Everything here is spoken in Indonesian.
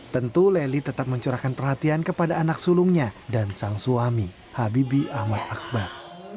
tentu leli tetap mencurahkan perhatian kepada anak sulungnya dan sang suami habibie ahmad akbar